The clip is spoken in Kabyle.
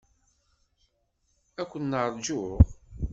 Ad ken-rǧuɣ.